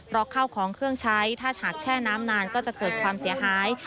อกข้าวของเครื่องใช้ถ้าหากแช่น้ำนานก็จะเกิดความเสียหาย